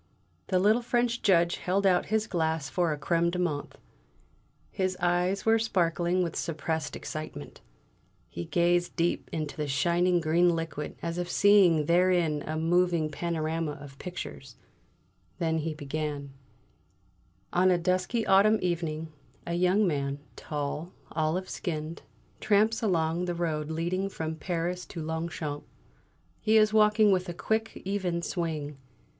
The little French Judge held out his glass for a crème de menthe; his eyes were sparkling with suppressed excitement; he gazed deep into the shining green liquid as if seeing therein a moving panorama of pictures, then he began: On a dusky autumn evening, a young man, tall, olive skinned, tramps along the road leading from Paris to Longchamps. He is walking with a quick, even swing.